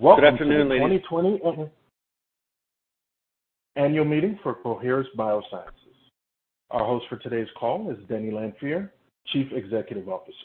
Welcome to the 2020 annual meeting for Coherus Biosciences. Our host for today's call is Denny Lanfear, Chief Executive Officer.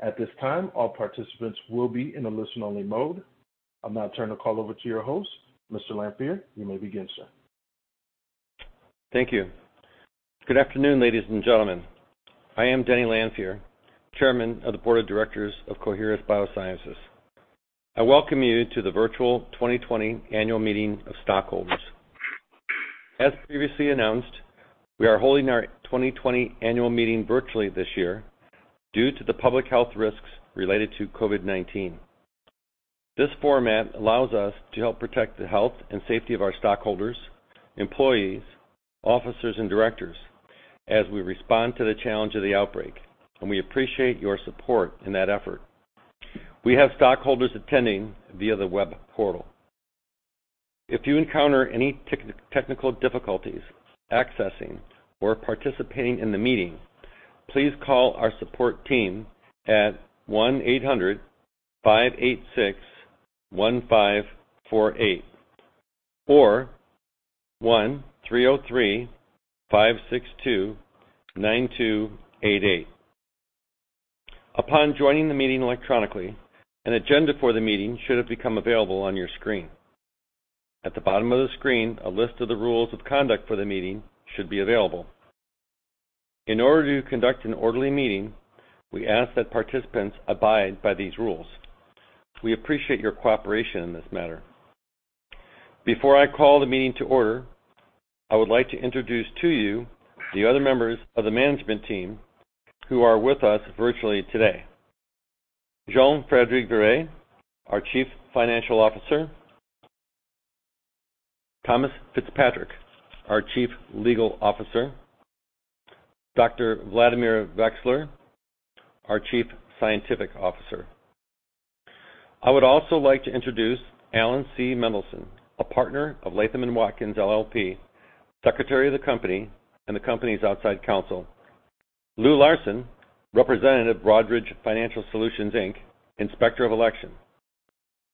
At this time, all participants will be in a listen-only mode. I'll now turn the call over to your host. Mr. Lanfear, you may begin, sir. Thank you. Good afternoon, ladies and gentlemen. I am Denny Lanfear, Chairman of the Board of Directors of Coherus Biosciences. I welcome you to the virtual 2020 annual meeting of stockholders. As previously announced, we are holding our 2020 annual meeting virtually this year due to the public health risks related to COVID-19. This format allows us to help protect the health and safety of our stockholders, employees, officers, and directors as we respond to the challenge of the outbreak, and we appreciate your support in that effort. We have stockholders attending via the web portal. If you encounter any technical difficulties accessing or participating in the meeting, please call our support team at 1-800-586-1548 or 1-303-562-9288. Upon joining the meeting electronically, an agenda for the meeting should have become available on your screen. At the bottom of the screen, a list of the rules of conduct for the meeting should be available. In order to conduct an orderly meeting, we ask that participants abide by these rules. We appreciate your cooperation in this matter. Before I call the meeting to order, I would like to introduce to you the other members of the management team who are with us virtually today. Jean-Frédéric Viret, our Chief Financial Officer. Thomas Fitzpatrick, our Chief Legal Officer. Dr. Vladimir Vexler, our Chief Scientific Officer. I would also like to introduce Alan C. Mendelson, a Partner of Latham & Watkins LLP, Secretary of the company, and the company's outside counsel. Lew Larson, Representative, Broadridge Financial Solutions, Inc., Inspector of Election.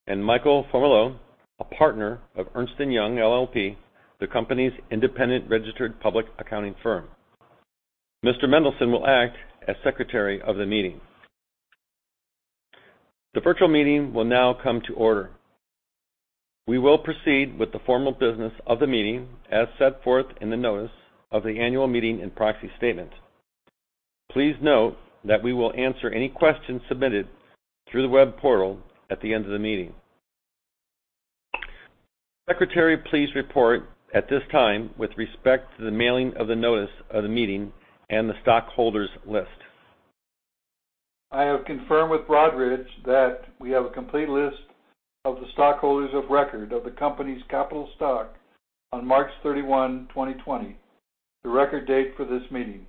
Michael Formolo, a Partner of Ernst & Young LLP, the company's independent registered public accounting firm. Mr. Mendelson will act as Secretary of the meeting. The virtual meeting will now come to order. We will proceed with the formal business of the meeting as set forth in the notice of the annual meeting and proxy statement. Please note that we will answer any questions submitted through the web portal at the end of the meeting. Secretary, please report at this time with respect to the mailing of the notice of the meeting and the stockholders list. I have confirmed with Broadridge that we have a complete list of the stockholders of record of the company's capital stock on March 31st, 2020, the record date for this meeting.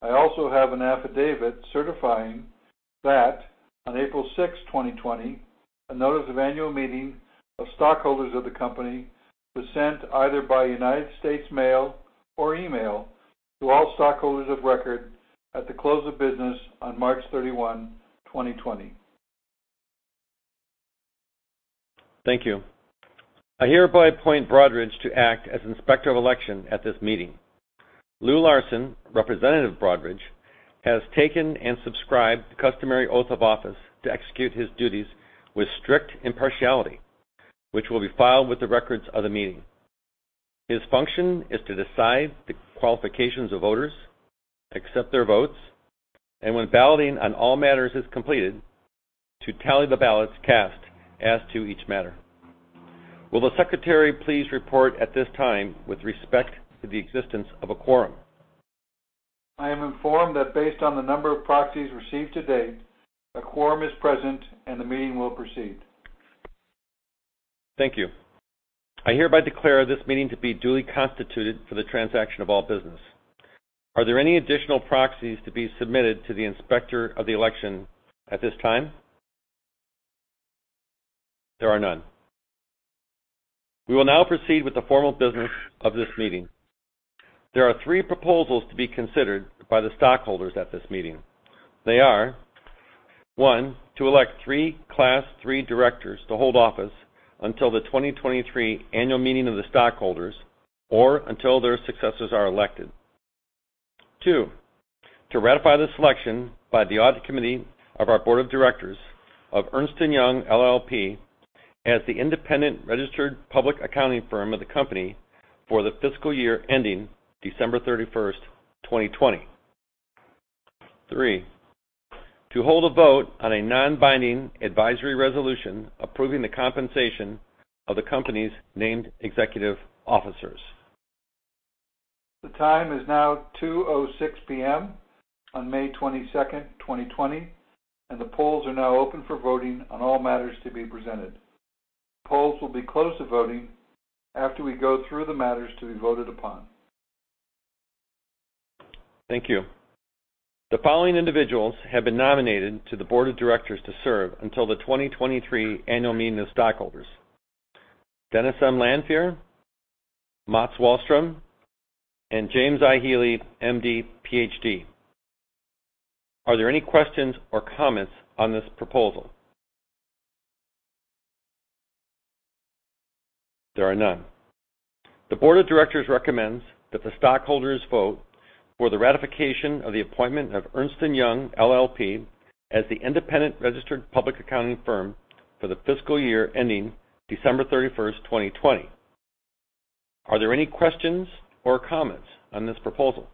I also have an affidavit certifying that on April 6th, 2020, a notice of annual meeting of stockholders of the company was sent either by U.S. mail or email to all stockholders of record at the close of business on March 31st, 2020. Thank you. I hereby appoint Broadridge to act as Inspector of Election at this meeting. Lew Larson, representative of Broadridge, has taken and subscribed the customary oath of office to execute his duties with strict impartiality, which will be filed with the records of the meeting. His function is to decide the qualifications of voters, accept their votes, and when balloting on all matters is completed, to tally the ballots cast as to each matter. Will the secretary please report at this time with respect to the existence of a quorum? I am informed that based on the number of proxies received to date, a quorum is present, and the meeting will proceed. Thank you. I hereby declare this meeting to be duly constituted for the transaction of all business. Are there any additional proxies to be submitted to the Inspector of Election at this time? There are none. We will now proceed with the formal business of this meeting. There are three proposals to be considered by the stockholders at this meeting. They are, one, to elect three Class III directors to hold office until the 2023 annual meeting of the stockholders or until their successors are elected. Two, to ratify the selection by the audit committee of our board of directors of Ernst & Young LLP as the independent registered public accounting firm of the company for the fiscal year ending December 31st, 2020. Three, to hold a vote on a non-binding advisory resolution approving the compensation of the company's named executive officers. The time is now 2:06 P.M. on May 22nd, 2020, and the polls are now open for voting on all matters to be presented. The polls will be closed to voting after we go through the matters to be voted upon. Thank you. The following individuals have been nominated to the board of directors to serve until the 2023 annual meeting of stockholders. Dennis M. Lanfear, Mats Wahlström, and James I. Healy, MD, PhD. Are there any questions or comments on this proposal? There are none. The board of directors recommends that the stockholders vote for the ratification of the appointment of Ernst & Young LLP as the independent registered public accounting firm for the fiscal year ending December 31st, 2020. Are there any questions or comments on this proposal?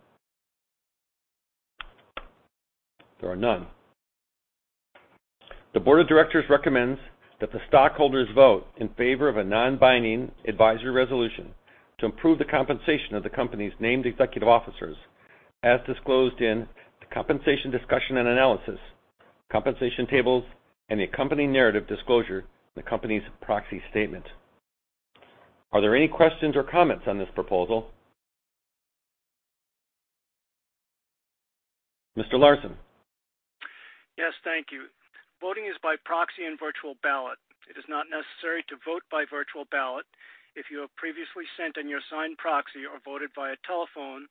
There are none. The board of directors recommends that the stockholders vote in favor of a non-binding advisory resolution to improve the compensation of the company's named executive officers, as disclosed in the compensation discussion and analysis, compensation tables, and the accompanying narrative disclosure in the company's proxy statement. Are there any questions or comments on this proposal? Mr. Larson? Yes. Thank you. Voting is by proxy and virtual ballot. It is not necessary to vote by virtual ballot if you have previously sent in your signed proxy or voted via telephone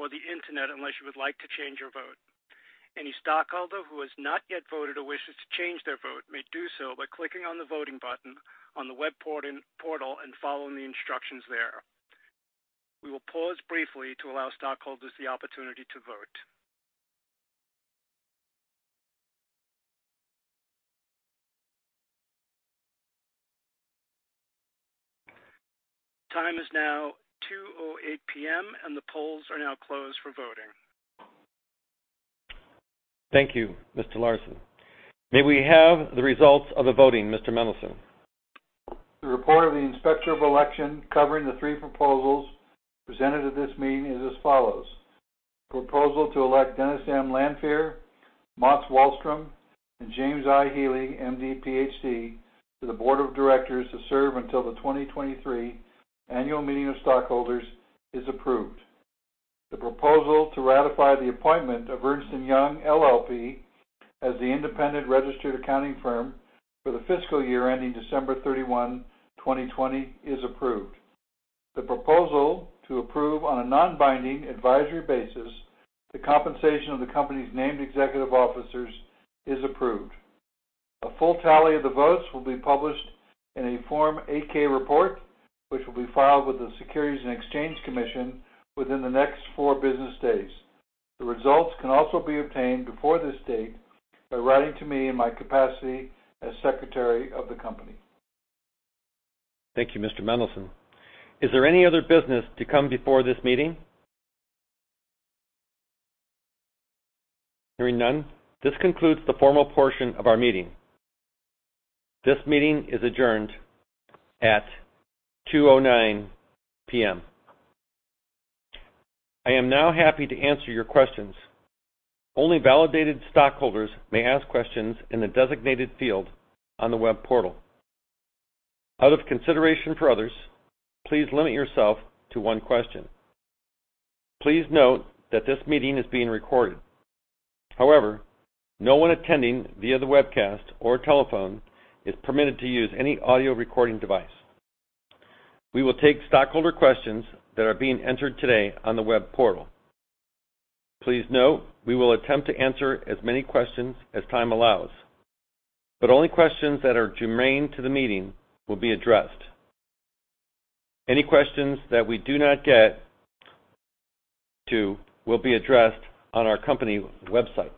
or the internet, unless you would like to change your vote. Any stockholder who has not yet voted or wishes to change their vote may do so by clicking on the voting button on the web portal and following the instructions there. We will pause briefly to allow stockholders the opportunity to vote. Time is now 2:08 P.M., and the polls are now closed for voting. Thank you, Mr. Larson. May we have the results of the voting, Mr. Mendelson? The report of the inspector of election covering the three proposals presented at this meeting is as follows. Proposal to elect Dennis M. Lanfear, Mats Wahlström, and James I. Healy, MD, PhD, to the board of directors to serve until the 2023 annual meeting of stockholders is approved. The proposal to ratify the appointment of Ernst & Young LLP as the independent registered accounting firm for the fiscal year ending December 31st, 2020, is approved. The proposal to approve on a non-binding advisory basis the compensation of the company's named executive officers is approved. A full tally of the votes will be published in a Form 8-K report, which will be filed with the Securities and Exchange Commission within the next four business days. The results can also be obtained before this date by writing to me in my capacity as Secretary of the company. Thank you, Mr. Mendelson. Is there any other business to come before this meeting? Hearing none, this concludes the formal portion of our meeting. This meeting is adjourned at 2:09 P.M. I am now happy to answer your questions. Only validated stockholders may ask questions in the designated field on the web portal. Out of consideration for others, please limit yourself to one question. Please note that this meeting is being recorded. However, no one attending via the webcast or telephone is permitted to use any audio recording device. We will take stockholder questions that are being entered today on the web portal. Please note we will attempt to answer as many questions as time allows, but only questions that are germane to the meeting will be addressed. Any questions that we do not get to will be addressed on our company website.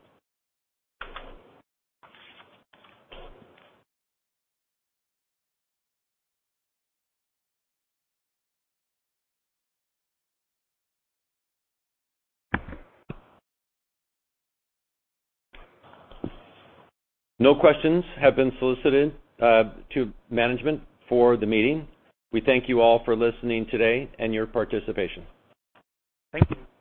No questions have been solicited to management for the meeting. We thank you all for listening today and your participation. Thank you.